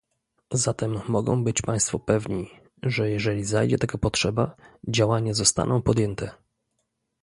Zatem mogą być Państwo pewni, że jeżeli zajdzie taka potrzeba, działania zostaną podjęte